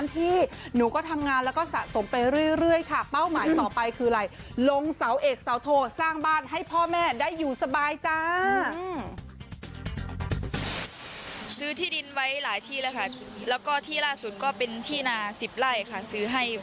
เป็นจริงแล้วอะไรอย่างนี้คะ